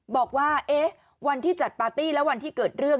บอกว่าวันที่จัดปาร์ตี้แล้ววันที่เกิดเรื่อง